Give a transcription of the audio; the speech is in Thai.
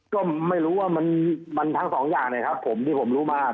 ก็ไม่รู้ว่ามันทั้งสองอย่างนะครับผมที่ผมรู้มา